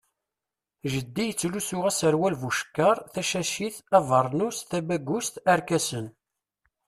Jeddi yettlusu aserwal bucekkaṛ, tacacit, abernus, tabagust, arkasen.